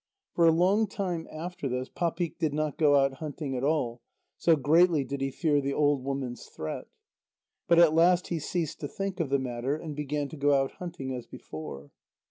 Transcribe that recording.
For a long time after this, Papik did not go out hunting at all, so greatly did he fear the old woman's threat. But at last he ceased to think of the matter, and began to go out hunting as before.